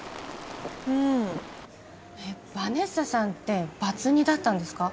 うんえっヴァネッサさんってバツ２だったんですか？